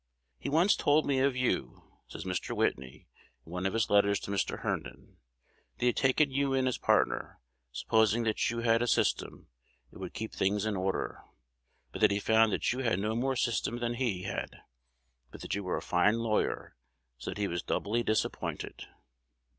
"He once told me of you," says Mr. Whitney in one of his letters to Mr. Herndon, "that he had taken you in as partner, supposing that you had a system, and would keep things in order, but that he found that you had no more system than he had, but that you were a fine lawyer; so that he was doubly disappointed."